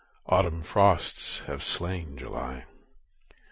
Autumn frosts have slain July.